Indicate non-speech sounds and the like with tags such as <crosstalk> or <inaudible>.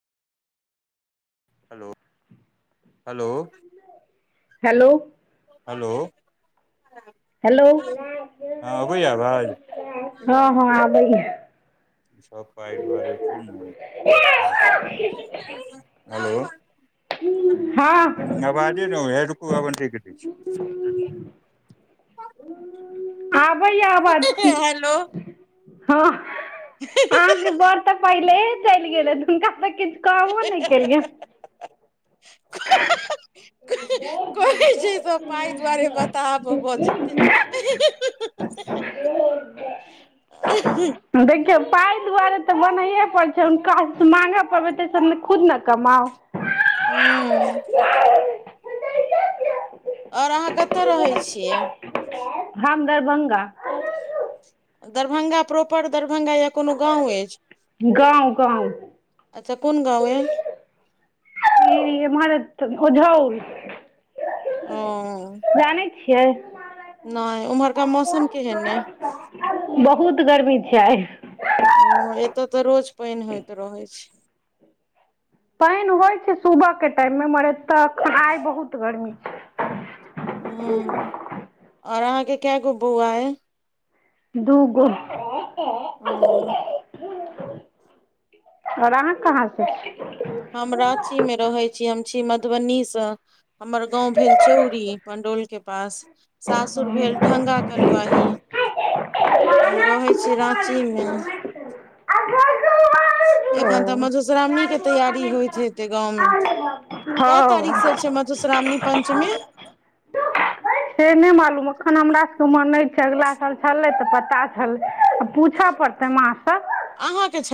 Hello, hello. Hello hello. Hello, आवाज हँ, हँ आबैया <unintelligible> रे छै ब, हेलो। हँ नबाजे ने, हेरुक आ बनटी क। आबैए आबाद की हँ, आहा बौर तऽ पहिल चलि गेल तऽ तऽ। कामो नहि केलियै। <inaudible> कहै छै, ई सभ पाइ दुआरे बताब भऽ जेतै। आ <unintelligible> देखियौ, पाइ दुआरे तऽ बनैए पड़ै छै, हुनकासँ माँगऽ पड़बै तै, से हम ने खुद ने कमाउ। हू <unintelligible> ओर अहाँ कतय रहै छियै? हम दरभंगा दरभंगा प्रॉपर दरभंगा या कोनो गाँंव अछि गाँव गाॅंव अच्छा कोन गाँव य इ मरत उझोउल ओं जानै छियै नहि उम्हरका मौसम केहन ऐ बहुत गर्मी छै आइ ओ एतय तऽ रोज पैनि होइत रहै छै पैनि होइ छै सुबह के टाइम मे मर एतऽ आइ बहुत गर्मी छै हूँ और अहाँके केऽ गो बौआ अइ दू गो ओ और अहाँ कहाँ सँ छी हम रांची में रहै छी हम छी मधुबनी सँ हमर गाँंव भेल चौरी मंडौल के पास सासुर भेल ढंगा कलुआही हम रहै छी राँची में एखन तऽ मधुश्रावणीे के तैयारी होइत हेतै गाँव में के ओ तारीख हँ से छै मधुश्रावणी पंचमी से नै मालुम‌ अखन हमरा से उमा नहि छै अगला साल छलै तऽ पता छलै पूछो परतै त मां सब अहाँके छै